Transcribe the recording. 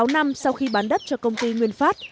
sáu năm sau khi bán đất cho công ty nguyên phát